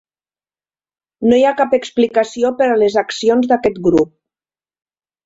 No hi ha cap explicació per a les accions d'aquest grup.